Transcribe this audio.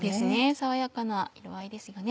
爽やかな色合いですよね。